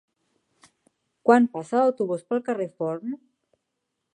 Quan passa l'autobús pel carrer Forn?